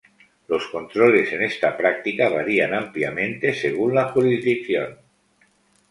Los controles en esta práctica varían ampliamente, según la jurisdicción.